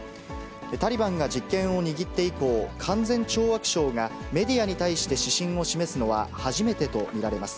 タリバンが実権を握って以降、勧善懲悪省がメディアに対して指針を示すのは初めてと見られます。